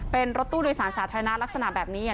เป็นรถตู้โดยสารสาธารณะลักษณะแบบนี้